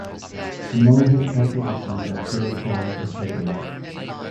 Among his compositions are four piano concertos.